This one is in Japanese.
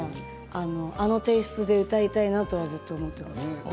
あのテイストで歌いたいなとずっと思ってました。